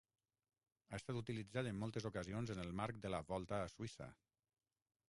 Ha estat utilitzat en moltes ocasions en el marc de la Volta a Suïssa.